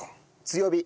強火。